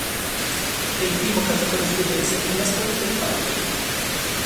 È il primo calciatore svedese nella storia del Cagliari.